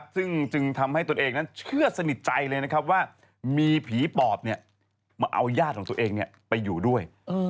ซึ่งทำให้ตนเองเชื่อสนิทใจเลยว่ามีผีปอบมาเอายาติของตนเองไปอยู่ด้วย